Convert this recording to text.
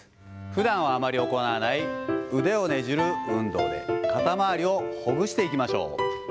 ふだんはあまり行わない腕をねじる運動で、肩周りをほぐしていきましょう。